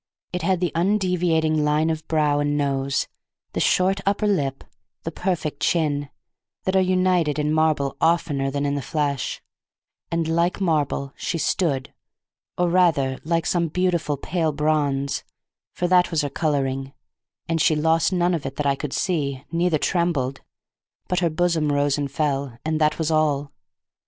It had the undeviating line of brow and nose, the short upper lip, the perfect chin, that are united in marble oftener than in the flesh; and like marble she stood, or rather like some beautiful pale bronze; for that was her coloring, and she lost none of it that I could see, neither trembled; but her bosom rose and fell, and that was all.